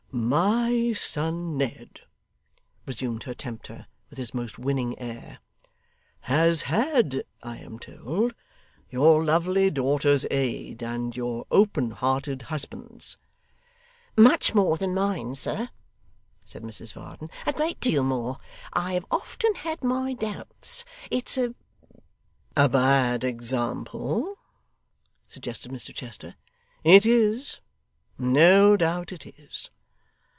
'My son Ned,' resumed her tempter with his most winning air, 'has had, I am told, your lovely daughter's aid, and your open hearted husband's.' ' Much more than mine, sir,' said Mrs Varden; 'a great deal more. I have often had my doubts. It's a ' 'A bad example,' suggested Mr Chester. 'It is. No doubt it is.